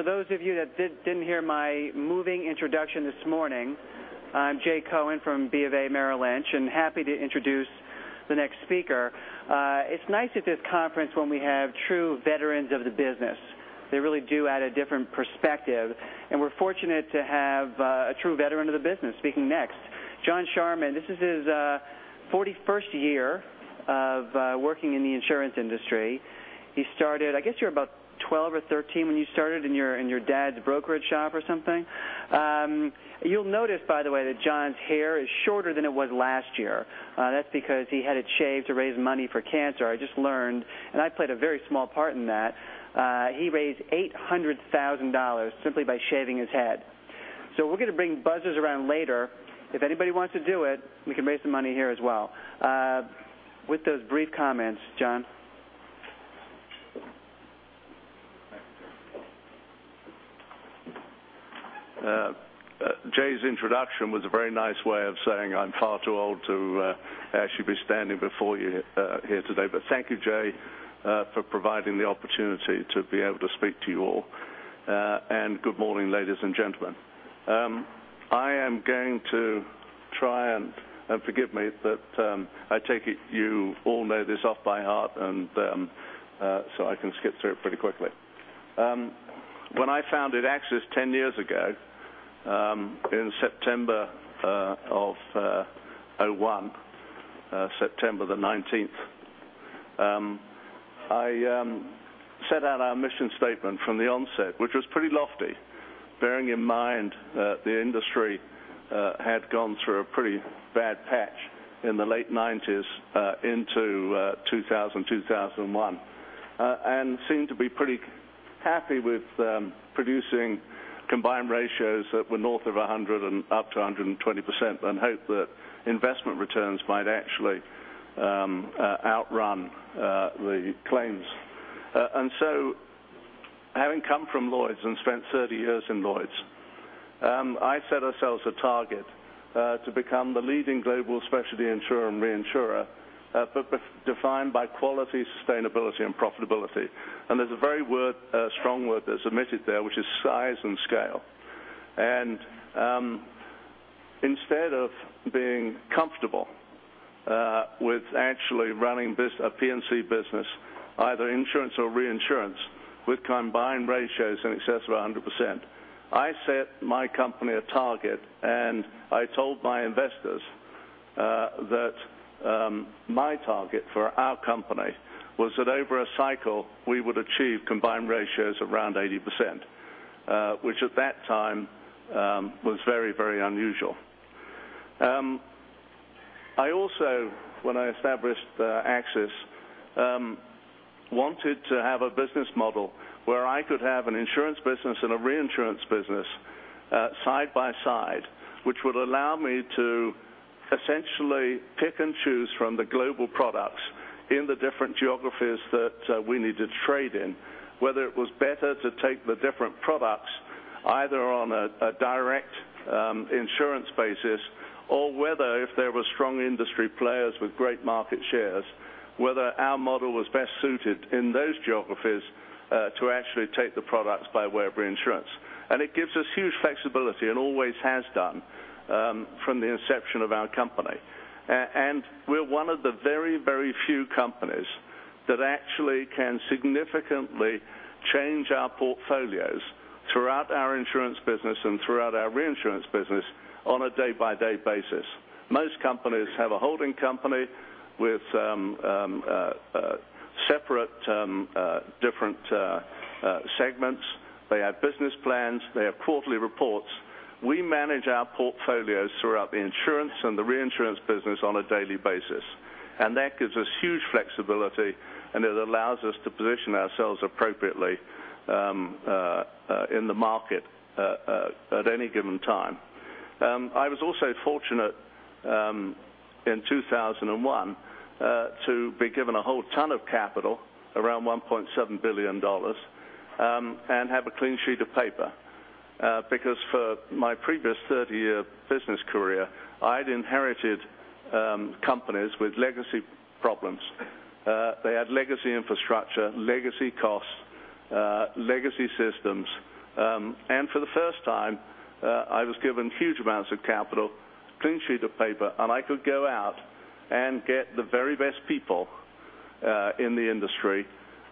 For those of you that didn't hear my moving introduction this morning, I'm Jay Cohen from BofA Merrill Lynch and happy to introduce the next speaker. It's nice at this conference when we have true veterans of the business. They really do add a different perspective. We're fortunate to have a true veteran of the business speaking next. John Charman, this is his 41st year of working in the insurance industry. He started, I guess you were about 12 or 13 when you started in your dad's brokerage shop or something. You'll notice, by the way, that John's hair is shorter than it was last year. That's because he had it shaved to raise money for cancer, I just learned, and I played a very small part in that. He raised $800,000 simply by shaving his head. We're going to bring buzzers around later. If anybody wants to do it, we can raise some money here as well. With those brief comments, John. Jay's introduction was a very nice way of saying I'm far too old to actually be standing before you here today. Thank you, Jay, for providing the opportunity to be able to speak to you all. Good morning, ladies and gentlemen. I am going to try and forgive me, but I take it you all know this off by heart, and so I can skip through it pretty quickly. When I founded AXIS 10 years ago, in September of 2001, September the 19th. I set out our mission statement from the onset, which was pretty lofty, bearing in mind that the industry had gone through a pretty bad patch in the late 1990s into 2000, 2001. Seemed to be pretty happy with producing combined ratios that were north of 100% and up to 120% and hope that investment returns might actually outrun the claims. Having come from Lloyd's and spent 30 years in Lloyd's, I set ourselves a target to become the leading global specialty insurer and reinsurer, defined by quality, sustainability, and profitability. There's a very strong word that's omitted there, which is size and scale. Instead of being comfortable with actually running a P&C business, either insurance or reinsurance, with combined ratios in excess of 100%, I set my company a target, and I told my investors that my target for our company was that over a cycle, we would achieve combined ratios around 80%, which at that time was very unusual. I also, when I established AXIS, wanted to have a business model where I could have an insurance business and a reinsurance business side by side, which would allow me to essentially pick and choose from the global products in the different geographies that we need to trade in. Whether it was better to take the different products either on a direct insurance basis, or whether if there were strong industry players with great market shares, whether our model was best suited in those geographies to actually take the products by way of reinsurance. It gives us huge flexibility and always has done from the inception of our company. We're one of the very few companies that actually can significantly change our portfolios throughout our insurance business and throughout our reinsurance business on a day-by-day basis. Most companies have a holding company with separate different segments. They have business plans. They have quarterly reports. We manage our portfolios throughout the insurance and the reinsurance business on a daily basis. That gives us huge flexibility, and it allows us to position ourselves appropriately in the market at any given time. I was also fortunate in 2001 to be given a whole ton of capital, around $1.7 billion, and have a clean sheet of paper. For my previous 30-year business career, I'd inherited companies with legacy problems. They had legacy infrastructure, legacy costs, legacy systems. For the first time, I was given huge amounts of capital, clean sheet of paper, and I could go out and get the very best people in the industry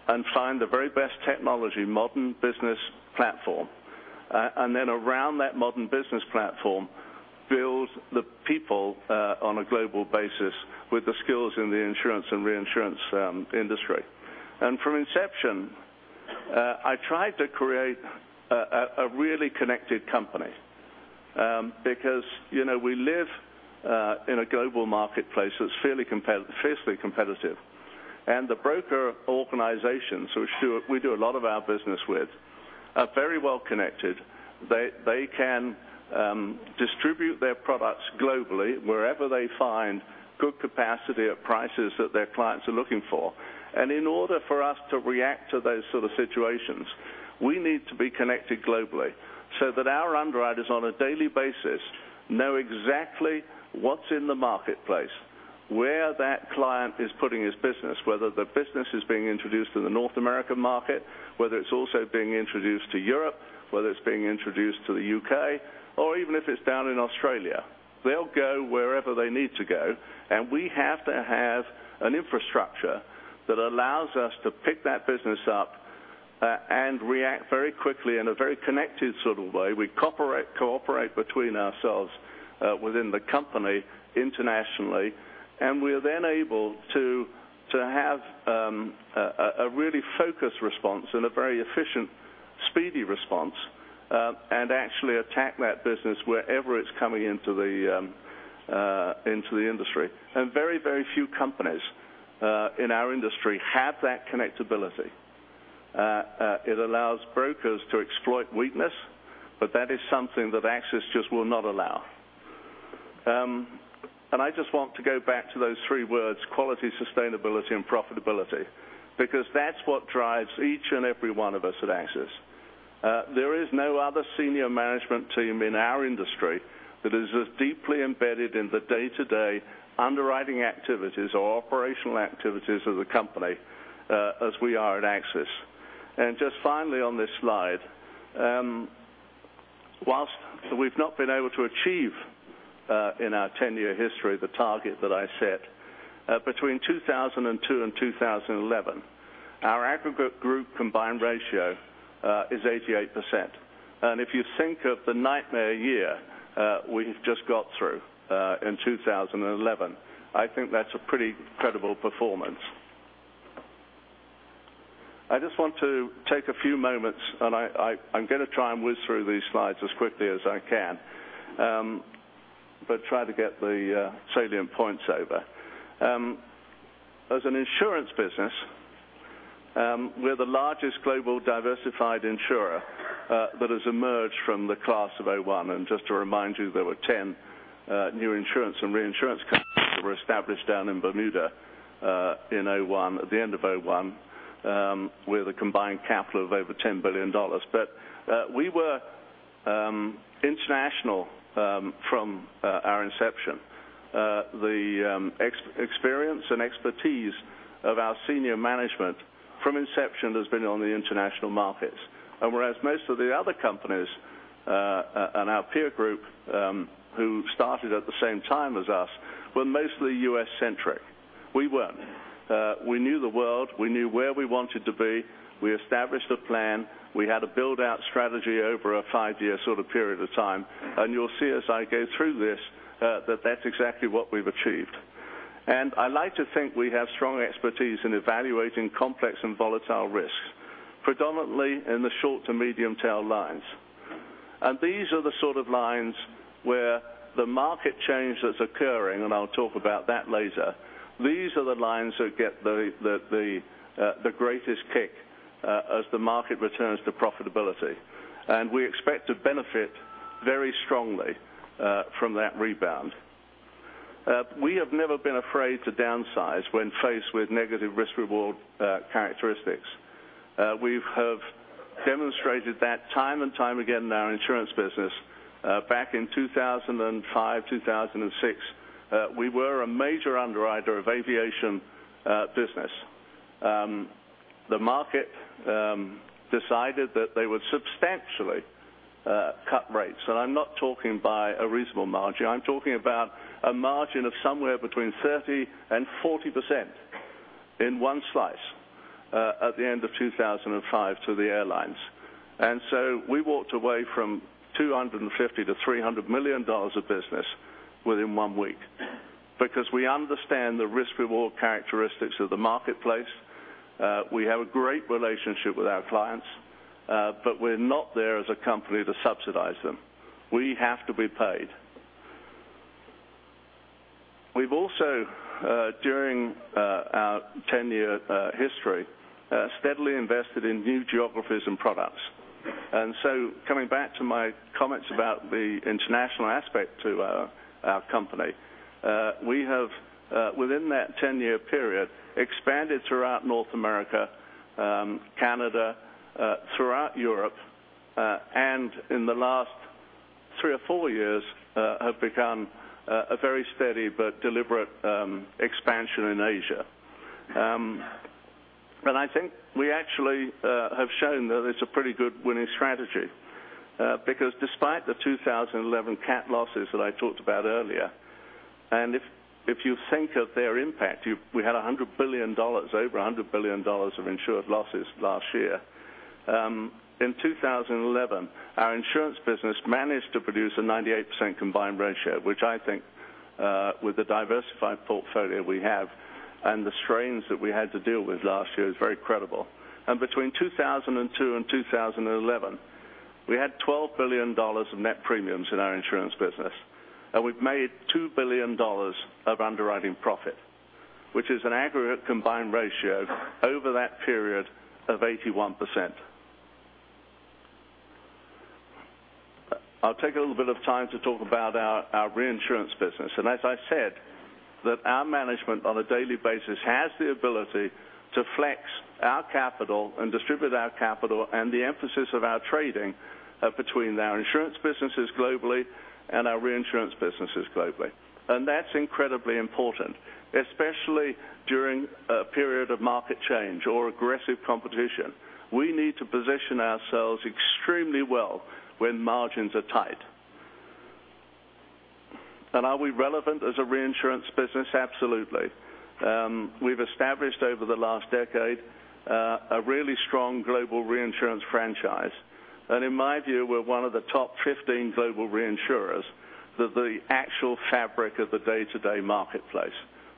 and find the very best technology modern business platform. Around that modern business platform, build the people on a global basis with the skills in the insurance and reinsurance industry. From inception, I tried to create a really connected company because we live in a global marketplace that's fiercely competitive. The broker organizations who we do a lot of our business with are very well connected. They can distribute their products globally wherever they find good capacity at prices that their clients are looking for. In order for us to react to those sort of situations, we need to be connected globally so that our underwriters on a daily basis know exactly what's in the marketplace. Where that client is putting his business, whether the business is being introduced to the North American market, whether it's also being introduced to Europe, whether it's being introduced to the U.K., or even if it's down in Australia. They'll go wherever they need to go, and we have to have an infrastructure that allows us to pick that business up and react very quickly in a very connected sort of way. We cooperate between ourselves within the company internationally, and we are then able to have a really focused response and a very efficient, speedy response, and actually attack that business wherever it's coming into the industry. Very few companies in our industry have that connectability. It allows brokers to exploit weakness, but that is something that AXIS just will not allow. I just want to go back to those three words, quality, sustainability, and profitability, because that's what drives each and every one of us at AXIS. There is no other senior management team in our industry that is as deeply embedded in the day-to-day underwriting activities or operational activities of the company as we are at AXIS. Just finally on this slide, whilst we've not been able to achieve in our 10-year history the target that I set, between 2002 and 2011, our aggregate group combined ratio is 88%. If you think of the nightmare year we've just got through in 2011, I think that's a pretty credible performance. I just want to take a few moments, I'm going to try and whiz through these slides as quickly as I can, but try to get the salient points over. As an insurance business, we're the largest global diversified insurer that has emerged from the Class of 2001. Just to remind you, there were 10 new insurance and reinsurance companies that were established down in Bermuda at the end of 2001, with a combined capital of over $10 billion. We were international from our inception. The experience and expertise of our senior management from inception has been on the international markets. Whereas most of the other companies in our peer group who started at the same time as us were mostly U.S.-centric. We weren't. We knew the world, we knew where we wanted to be, we established a plan, we had a build-out strategy over a five-year sort of period of time. You'll see as I go through this that that's exactly what we've achieved. I like to think we have strong expertise in evaluating complex and volatile risks, predominantly in the short to medium tail lines. These are the sort of lines where the market change that's occurring, I'll talk about that later, these are the lines that get the greatest kick as the market returns to profitability. We expect to benefit very strongly from that rebound. We have never been afraid to downsize when faced with negative risk/reward characteristics. We have demonstrated that time and time again in our insurance business. Back in 2005, 2006, we were a major underwriter of aviation business. The market decided that they would substantially cut rates, I'm not talking by a reasonable margin, I'm talking about a margin of somewhere between 30%-40% in one slice at the end of 2005 to the airlines. We walked away from $250 million-$300 million of business within one week because we understand the risk/reward characteristics of the marketplace. We have a great relationship with our clients, but we're not there as a company to subsidize them. We have to be paid. We've also during our 10-year history steadily invested in new geographies and products. Coming back to my comments about the international aspect to our company, we have within that 10-year period expanded throughout North America, Canada, throughout Europe, and in the last three or four years have begun a very steady but deliberate expansion in Asia. I think we actually have shown that it's a pretty good winning strategy, because despite the 2011 cat losses that I talked about earlier, if you think of their impact, we had $100 billion, over $100 billion of insured losses last year. In 2011, our insurance business managed to produce a 98% combined ratio, which I think with the diversified portfolio we have and the strains that we had to deal with last year is very credible. Between 2002 and 2011, we had $12 billion of net premiums in our insurance business. We've made $2 billion of underwriting profit, which is an aggregate combined ratio over that period of 81%. I'll take a little bit of time to talk about our reinsurance business. As I said, that our management on a daily basis has the ability to flex our capital and distribute our capital, the emphasis of our trading between our insurance businesses globally and our reinsurance businesses globally. That's incredibly important, especially during a period of market change or aggressive competition. We need to position ourselves extremely well when margins are tight. Are we relevant as a reinsurance business? Absolutely. We've established over the last decade a really strong global reinsurance franchise. In my view, we're one of the top 15 global reinsurers that the actual fabric of the day-to-day marketplace,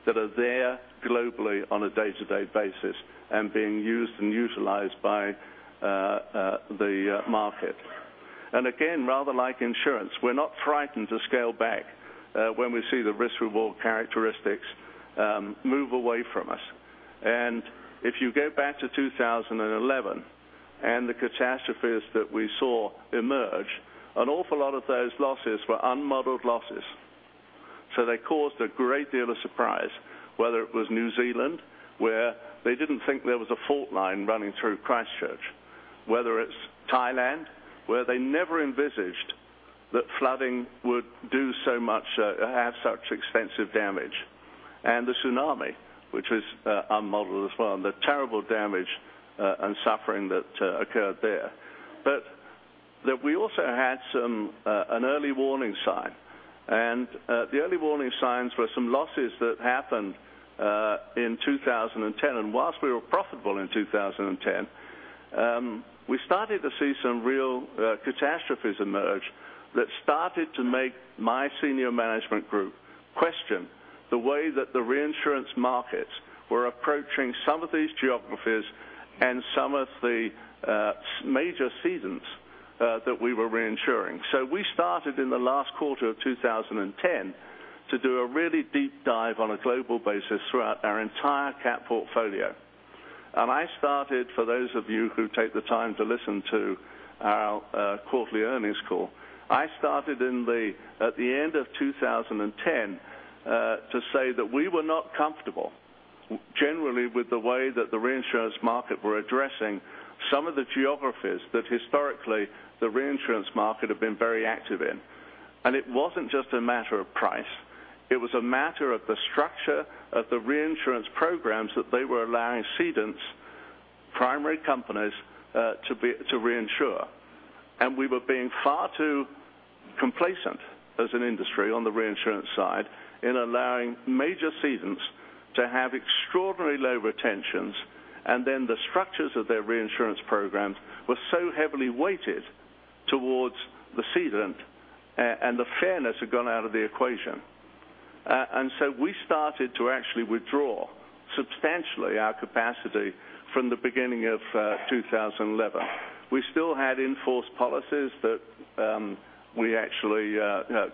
that are there globally on a day-to-day basis and being used and utilized by the market. Again, rather like insurance, we're not frightened to scale back when we see the risk reward characteristics move away from us. If you go back to 2011 and the catastrophes that we saw emerge, an awful lot of those losses were unmodeled losses. They caused a great deal of surprise, whether it was New Zealand, where they didn't think there was a fault line running through Christchurch. Whether it's Thailand, where they never envisaged that flooding would have such extensive damage. The tsunami, which was unmodeled as well, and the terrible damage and suffering that occurred there. We also had an early warning sign. The early warning signs were some losses that happened in 2010. Whilst we were profitable in 2010, we started to see some real catastrophes emerge that started to make my senior management group question the way that the reinsurance markets were approaching some of these geographies and some of the major seasons that we were reinsuring. We started in the last quarter of 2010 to do a really deep dive on a global basis throughout our entire cat portfolio. I started, for those of you who take the time to listen to our quarterly earnings call, I started at the end of 2010 to say that we were not comfortable generally with the way that the reinsurance market were addressing some of the geographies that historically the reinsurance market had been very active in. It wasn't just a matter of price. It was a matter of the structure of the reinsurance programs that they were allowing cedents, primary companies, to reinsure. We were being far too complacent as an industry on the reinsurance side in allowing major cedents to have extraordinarily low retentions, the structures of their reinsurance programs were so heavily weighted towards the cedent, the fairness had gone out of the equation. We started to actually withdraw substantially our capacity from the beginning of 2011. We still had enforced policies that we actually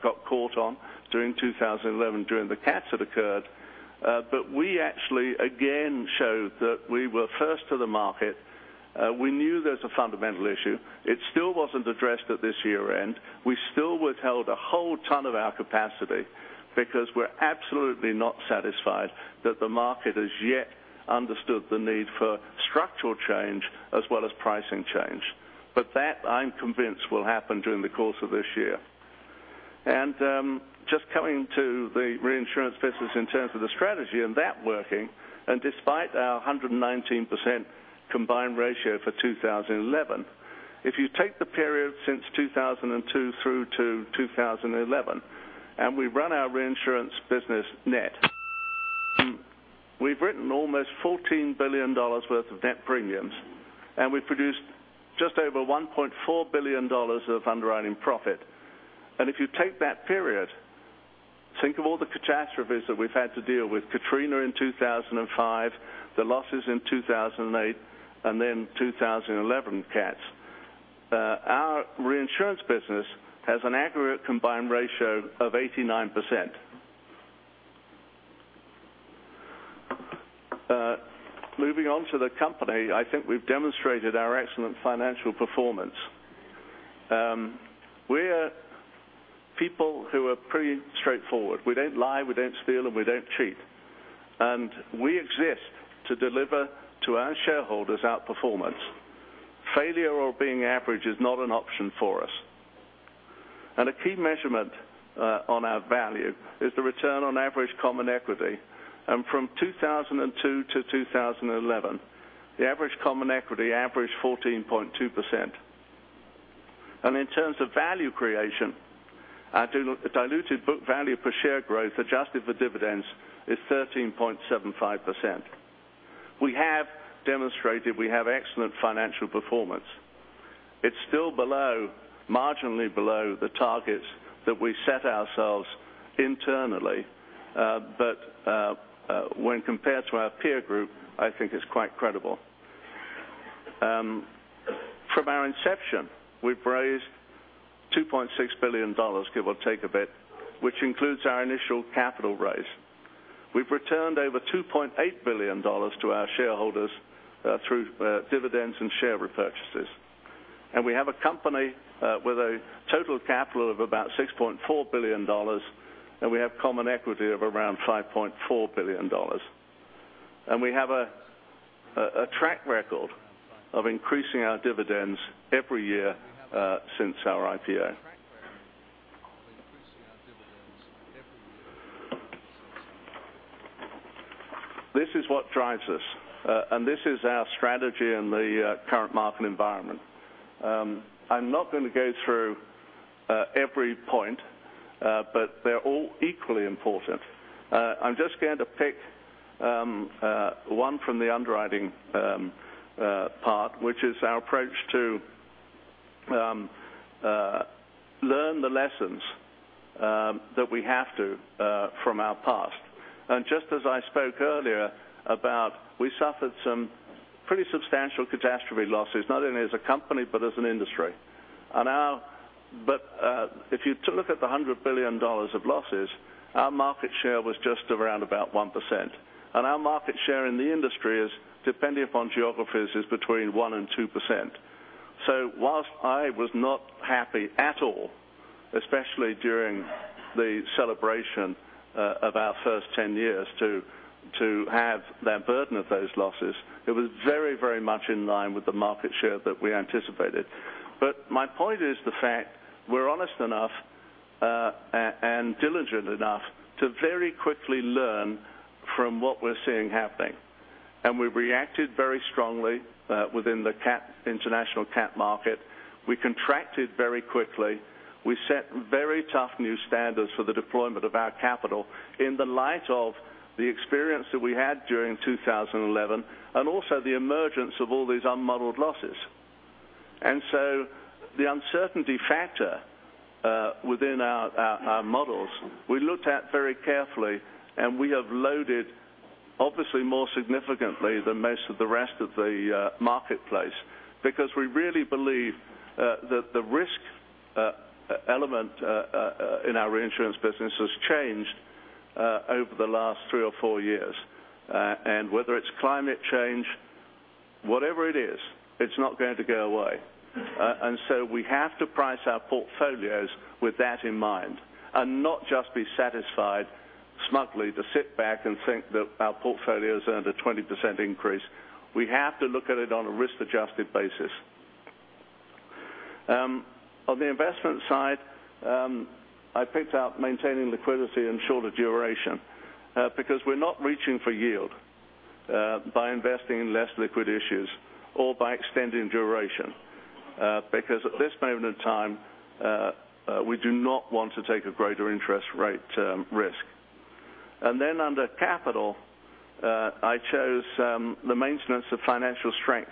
got caught on during 2011 during the cats that occurred. We actually again showed that we were first to the market. We knew there's a fundamental issue. It still wasn't addressed at this year-end. We still withheld a whole ton of our capacity because we're absolutely not satisfied that the market has yet understood the need for structural change as well as pricing change. That I'm convinced will happen during the course of this year. Just coming to the reinsurance business in terms of the strategy and that working, and despite our 119% combined ratio for 2011. If you take the period since 2002 through to 2011, and we run our reinsurance business net, we've written almost $14 billion worth of net premiums, and we've produced just over $1.4 billion of underwriting profit. If you take that period, think of all the catastrophes that we've had to deal with, Katrina in 2005, the losses in 2008, and then 2011 cats. Our reinsurance business has an aggregate combined ratio of 89%. Moving on to the company, I think we've demonstrated our excellent financial performance. We're people who are pretty straightforward. We don't lie, we don't steal, and we don't cheat. We exist to deliver to our shareholders our performance. Failure or being average is not an option for us. A key measurement on our value is the return on average common equity. From 2002 to 2011, the average common equity averaged 14.2%. In terms of value creation, our diluted book value per share growth adjusted for dividends is 13.75%. We have demonstrated we have excellent financial performance. It's still marginally below the targets that we set ourselves internally, when compared to our peer group, I think it's quite credible. From our inception, we've raised $2.6 billion, give or take a bit, which includes our initial capital raise. We've returned over $2.8 billion to our shareholders through dividends and share repurchases. We have a company with a total capital of about $6.4 billion, and we have common equity of around $5.4 billion. We have a track record of increasing our dividends every year since our IPO. This is what drives us, and this is our strategy in the current market environment. I'm not going to go through every point, they're all equally important. I'm just going to pick one from the underwriting part, which is our approach to learn the lessons that we have to from our past. Just as I spoke earlier about, we suffered some pretty substantial catastrophe losses, not only as a company but as an industry. If you look at the $100 billion of losses, our market share was just around about 1%. Our market share in the industry is, depending upon geographies, is between 1% and 2%. Whilst I was not happy at all, especially during the celebration of our first 10 years, to have that burden of those losses, it was very much in line with the market share that we anticipated. My point is the fact we're honest enough, and diligent enough to very quickly learn from what we're seeing happening. We reacted very strongly within the international cat market. We contracted very quickly. We set very tough new standards for the deployment of our capital in the light of the experience that we had during 2011, also the emergence of all these unmodeled losses. The uncertainty factor within our models, we looked at very carefully, and we have loaded obviously more significantly than most of the rest of the marketplace because we really believe that the risk element in our reinsurance business has changed over the last three or four years. Whether it's climate change, whatever it is, it's not going to go away. We have to price our portfolios with that in mind and not just be satisfied smugly to sit back and think that our portfolio's earned a 20% increase. We have to look at it on a risk-adjusted basis. On the investment side, I picked out maintaining liquidity and shorter duration because we're not reaching for yield by investing in less liquid issues or by extending duration because at this moment in time we do not want to take a greater interest rate risk. Under capital, I chose the maintenance of financial strength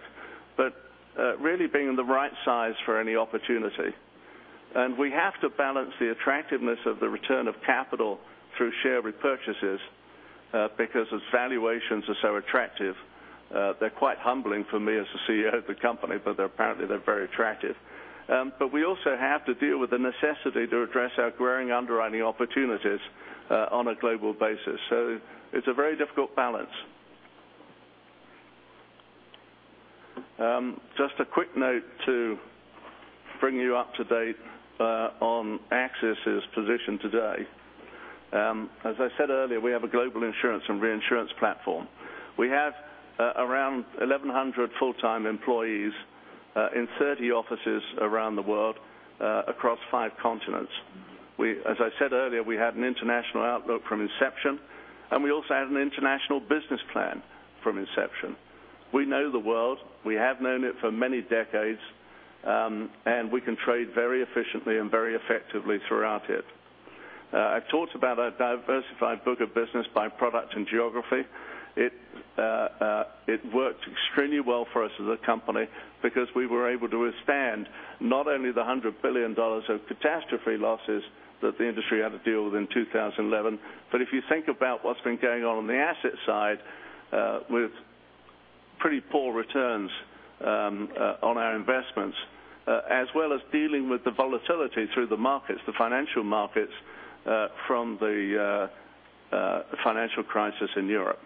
but really being the right size for any opportunity. We have to balance the attractiveness of the return of capital through share repurchases because its valuations are so attractive. They're quite humbling for me as the CEO of the company, but apparently, they're very attractive. We also have to deal with the necessity to address our growing underwriting opportunities on a global basis. It's a very difficult balance. Just a quick note to bring you up to date on AXIS' position today. As I said earlier, we have a global insurance and reinsurance platform. We have around 1,100 full-time employees in 30 offices around the world across five continents. As I said earlier, we had an international outlook from inception, we also had an international business plan from inception. We know the world, we have known it for many decades, we can trade very efficiently and very effectively throughout it. I talked about our diversified book of business by product and geography. It worked extremely well for us as a company because we were able to withstand not only the $100 billion of catastrophe losses that the industry had to deal with in 2011, but if you think about what's been going on on the asset side with pretty poor returns on our investments as well as dealing with the volatility through the markets, the financial markets from the financial crisis in Europe.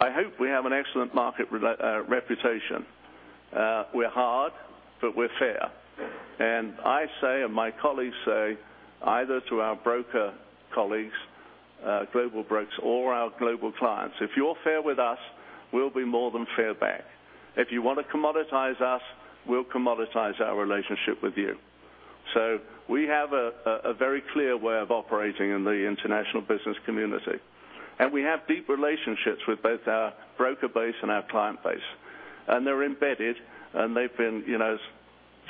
I hope we have an excellent market reputation. We're hard but we're fair. I say, and my colleagues say either to our broker colleagues, global brokers, or our global clients, "If you're fair with us, we'll be more than fair back. If you want to commoditize us, we'll commoditize our relationship with you." We have a very clear way of operating in the international business community. We have deep relationships with both our broker base and our client base. They're embedded, and they've been, as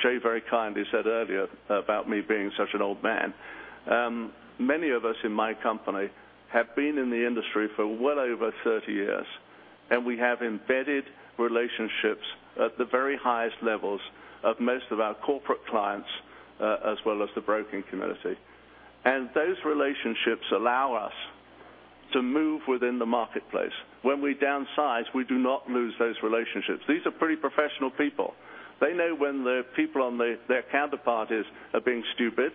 Jay very kindly said earlier about me being such an old man, many of us in my company have been in the industry for well over 30 years, and we have embedded relationships at the very highest levels of most of our corporate clients as well as the broking community. Those relationships allow us to move within the marketplace. When we downsize, we do not lose those relationships. These are pretty professional people. They know when the people on their counterparties are being stupid,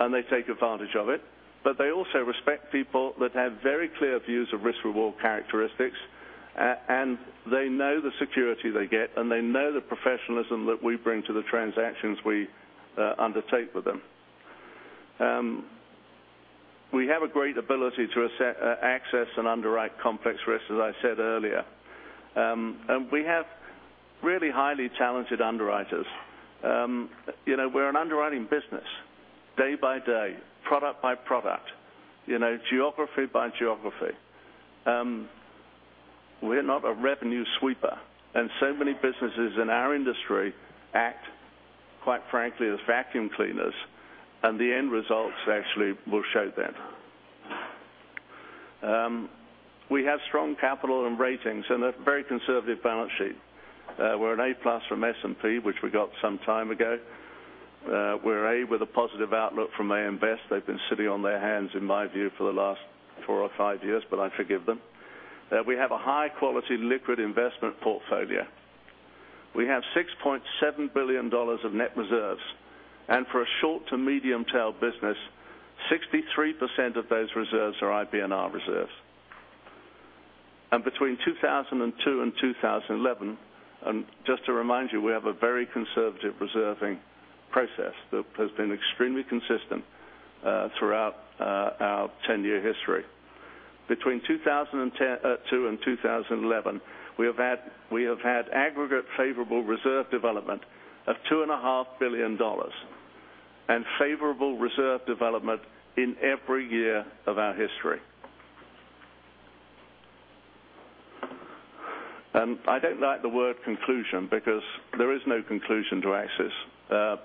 and they take advantage of it, but they also respect people that have very clear views of risk/reward characteristics, and they know the security they get, and they know the professionalism that we bring to the transactions we undertake with them. We have a great ability to access and underwrite complex risks, as I said earlier. We have really highly talented underwriters. We're an underwriting business, day by day, product by product, geography by geography. We're not a revenue sweeper, and so many businesses in our industry act, quite frankly, as vacuum cleaners, and the end results actually will show that. We have strong capital and ratings and a very conservative balance sheet. We're an A+ from S&P, which we got some time ago. We're A with a positive outlook from AM Best. They've been sitting on their hands, in my view, for the last four or five years, but I forgive them. We have a high-quality liquid investment portfolio. We have $6.7 billion of net reserves, and for a short to medium-tail business, 63% of those reserves are IBNR reserves. Between 2002 and 2011, and just to remind you, we have a very conservative reserving process that has been extremely consistent throughout our 10-year history. Between 2002 and 2011, we have had aggregate favorable reserve development of $2.5 billion, and favorable reserve development in every year of our history. I don't like the word conclusion because there is no conclusion to AXIS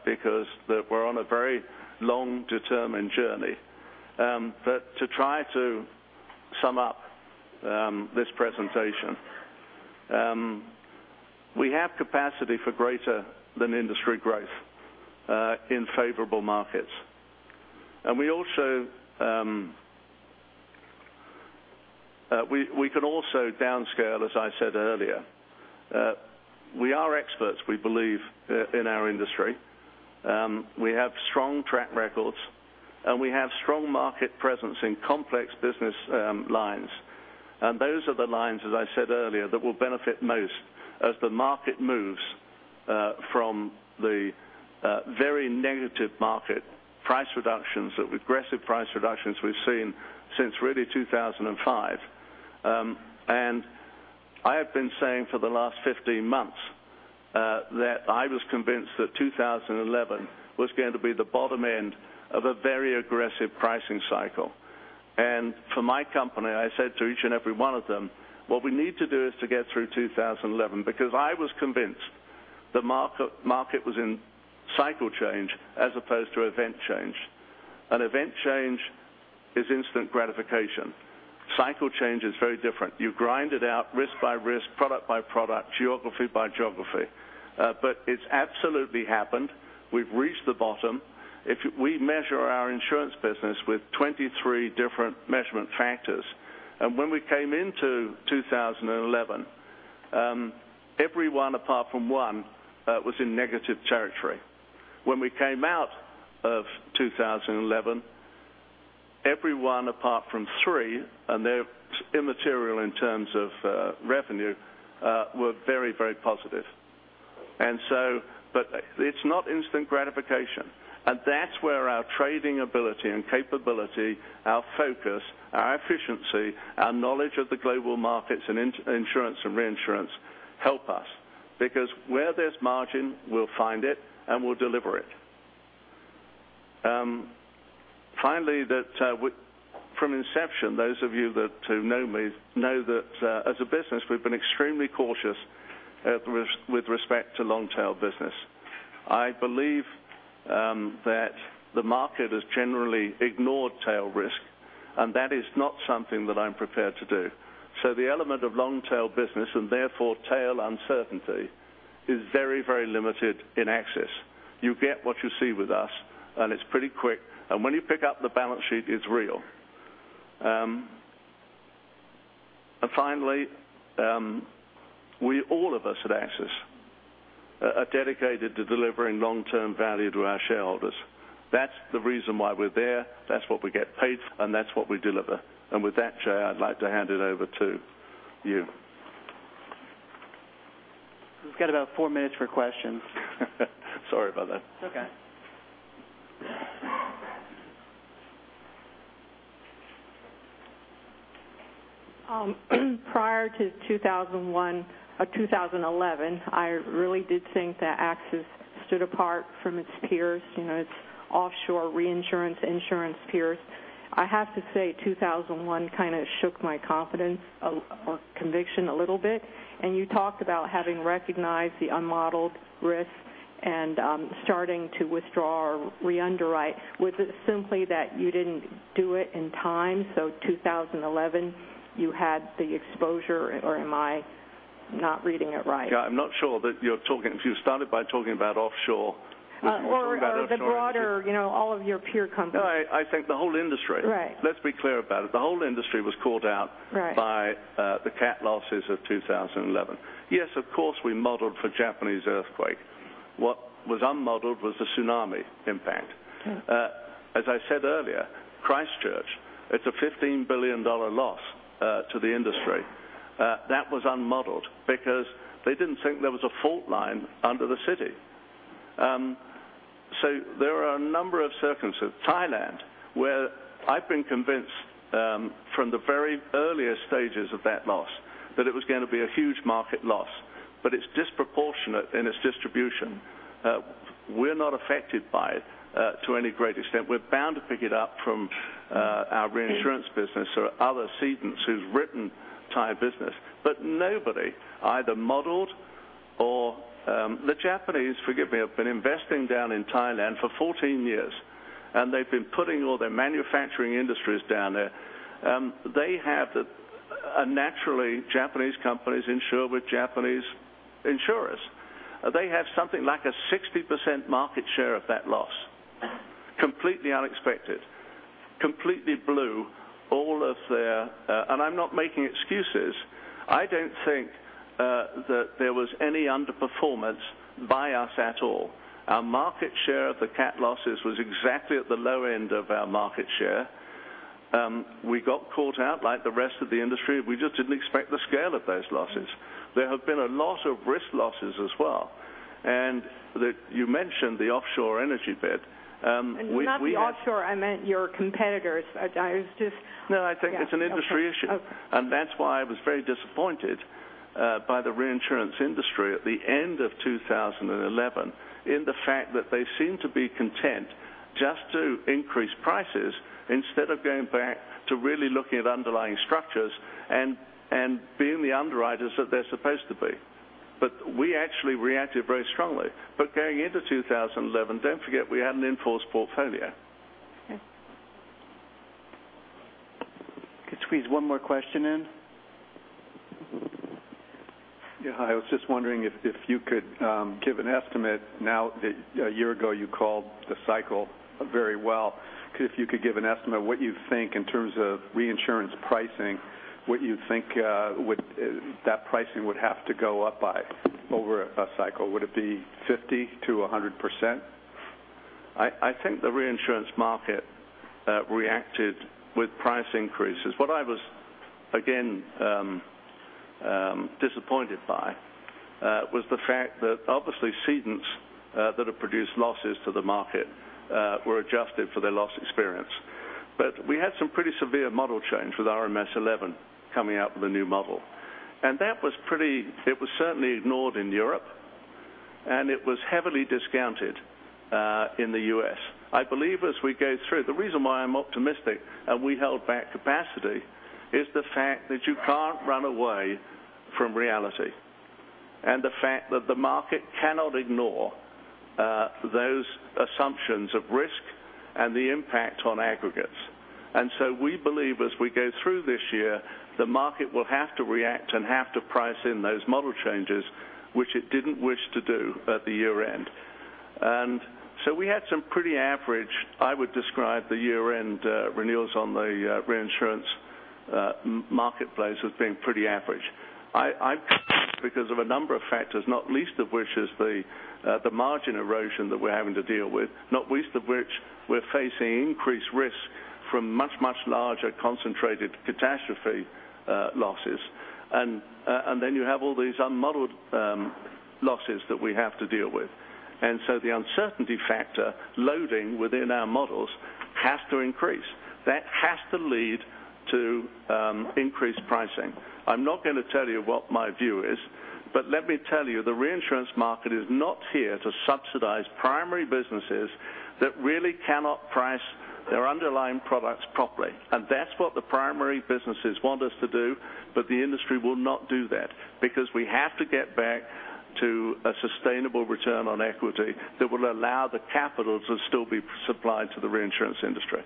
because we're on a very long, determined journey. To try to sum up this presentation, we have capacity for greater than industry growth in favorable markets. We can also downscale, as I said earlier. We are experts, we believe, in our industry. We have strong track records, and we have strong market presence in complex business lines. Those are the lines, as I said earlier, that will benefit most as the market moves from the very negative market price reductions, the aggressive price reductions we've seen since really 2005. I have been saying for the last 15 months that I was convinced that 2011 was going to be the bottom end of a very aggressive pricing cycle. For my company, I said to each and every one of them, what we need to do is to get through 2011 because I was convinced the market was in cycle change as opposed to event change. An event change is instant gratification. Cycle change is very different. You grind it out risk by risk, product by product, geography by geography. It's absolutely happened. We've reached the bottom. We measure our insurance business with 23 different measurement factors. When we came into 2011, every one apart from one was in negative territory. When we came out of 2011, every one apart from three, and they're immaterial in terms of revenue, were very positive. It's not instant gratification, that's where our trading ability and capability, our focus, our efficiency, our knowledge of the global markets in insurance and reinsurance help us because where there's margin, we'll find it, and we'll deliver it. Finally, from inception, those of you who know me know that as a business, we've been extremely cautious with respect to long-tail business. I believe that the market has generally ignored tail risk, that is not something that I'm prepared to do. The element of long-tail business and therefore tail uncertainty is very limited in AXIS. You get what you see with us, and it's pretty quick, and when you pick up the balance sheet, it's real. Finally, all of us at AXIS are dedicated to delivering long-term value to our shareholders. That's the reason why we're there, that's what we get paid, and that's what we deliver. With that, Jay, I'd like to hand it over to you. We've got about four minutes for questions. Sorry about that. It's okay. Prior to 2011, I really did think that AXIS stood apart from its peers, its offshore reinsurance insurance peers. I have to say, 2001 kind of shook my confidence or conviction a little bit. You talked about having recognized the unmodeled risk and starting to withdraw or re-underwrite. Was it simply that you didn't do it in time? 2011, you had the exposure, or am I not reading it right? Yeah, I'm not sure that You started by talking about offshore. If you're talking about offshore. The broader, all of your peer companies. No, I think the whole industry. Right. Let's be clear about it. The whole industry was called out- Right by the cat losses of 2011. Yes, of course, we modeled for Japanese earthquake. What was unmodeled was the tsunami impact. As I said earlier, Christchurch, it's a $15 billion loss to the industry. That was unmodeled because they didn't think there was a fault line under the city. There are a number of circumstances. Thailand, where I've been convinced from the very earliest stages of that loss that it was going to be a huge market loss, but it's disproportionate in its distribution. We're not affected by it to any great extent. We're bound to pick it up from our reinsurance business or other cedents who's written Thai business. Nobody either modeled or The Japanese, forgive me, have been investing down in Thailand for 14 years, and they've been putting all their manufacturing industries down there. Naturally, Japanese companies insure with Japanese insurers. They have something like a 60% market share of that loss. Completely unexpected. Completely blew all of their I'm not making excuses. I don't think that there was any underperformance by us at all. Our market share of the cat losses was exactly at the low end of our market share. We got called out like the rest of the industry. We just didn't expect the scale of those losses. There have been a lot of risk losses as well. That you mentioned the offshore energy bit. Not the offshore. I meant your competitors. No, I think it's an industry issue. Okay. That's why I was very disappointed by the reinsurance industry at the end of 2011 in the fact that they seem to be content just to increase prices instead of going back to really looking at underlying structures and being the underwriters that they're supposed to be. We actually reacted very strongly. Going into 2011, don't forget we had an in-force portfolio. Okay. Could squeeze one more question in. Yeah. Hi. I was just wondering if you could give an estimate now that a year ago you called the cycle very well. If you could give an estimate what you think in terms of reinsurance pricing, what you think that pricing would have to go up by over a cycle. Would it be 50%-100%? I think the reinsurance market reacted with price increases. What I was, again, disappointed by was the fact that obviously cedents that have produced losses to the market were adjusted for their loss experience. We had some pretty severe model change with RMS v11 coming out with a new model. It was certainly ignored in Europe, and it was heavily discounted in the U.S. I believe as we go through, the reason why I'm optimistic and we held back capacity is the fact that you can't run away from reality, and the fact that the market cannot ignore those assumptions of risk and the impact on aggregates. We believe as we go through this year, the market will have to react and have to price in those model changes, which it didn't wish to do at the year-end. We had some pretty average, I would describe the year-end renewals on the reinsurance marketplace as being pretty average. Because of a number of factors, not least of which is the margin erosion that we're having to deal with. Not least of which we're facing increased risk from much, much larger concentrated catastrophe losses. You have all these unmodeled losses that we have to deal with. The uncertainty factor loading within our models has to increase. That has to lead to increased pricing. I'm not going to tell you what my view is, but let me tell you, the reinsurance market is not here to subsidize primary businesses that really cannot price their underlying products properly. That's what the primary businesses want us to do, but the industry will not do that because we have to get back to a sustainable return on equity that will allow the capital to still be supplied to the reinsurance industry